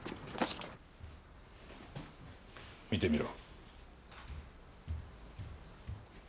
見てみろ。